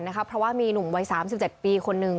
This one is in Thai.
เพราะว่ามีหนุ่มวัย๓๗ปีคนหนึ่ง